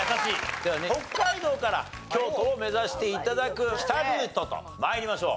ではね北海道から京都を目指して頂く北ルートと参りましょう。